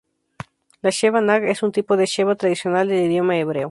La Sheva Naj es un tipo de sheva tradicional del idioma hebreo.